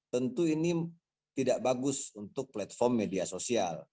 tentu ini tidak bagus untuk platform media sosial